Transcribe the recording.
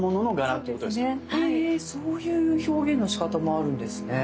そういう表現のしかたもあるんですね。